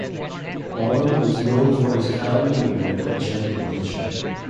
Bonham was known for his calm demeanor and gentle nature.